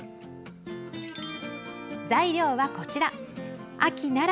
材料は、こちら。